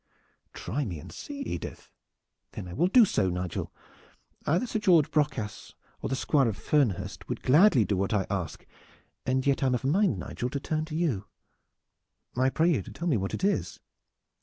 "Try me and see, Edith!" "Then I will do so, Nigel. Either Sir George Brocas or the Squire of Fernhurst would gladly do what I ask, and yet I am of a mind, Nigel, to turn to you." "I pray you to tell me what it is."